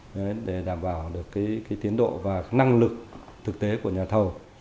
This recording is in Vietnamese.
đấy để đảm bảo được cái tiến độ và năng lực thực tế của nhà thầu